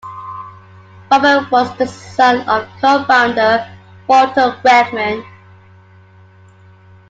Robert was the son of co-founder Walter Wegman.